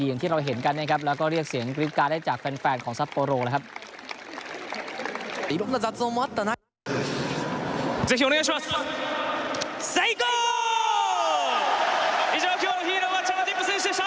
อย่างที่เราเห็นกันนะครับแล้วก็เรียกเสียงกรี๊ดการ์ได้จากแฟนของซัปโปโรแล้วครับ